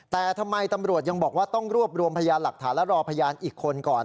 แต่ทำไมตำรวจยังบอกว่าต้องรวบรวมพยานหลักฐานและรอพยานอีกคนก่อน